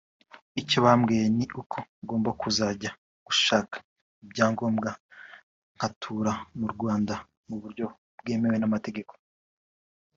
icyo bambwiye ni uko ngomba kuzajya gushaka ibyangombwa nkatura mu Rwanda mu buryo bwemewe n’amategeko